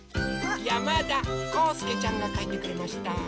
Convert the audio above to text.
やまだこうすけちゃんがかいてくれました。